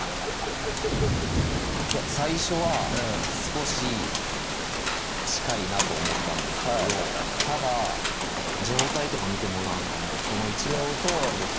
いや最初は少し近いなと思ったんですけどただ状態とかを見てもらうのはこの位置がそうなんですよ